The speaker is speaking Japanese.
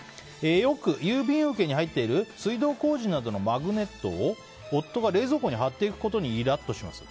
よく郵便受けに入っている水道工事などのマグネットを夫が冷蔵庫に貼っていくことにイラッとします。